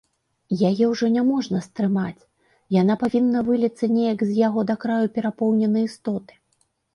Яе ўжо няможна стрымаць, яна павінна выліцца неяк з яго да краю перапоўненай істоты.